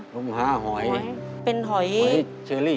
ลงหาหอยเชอรี่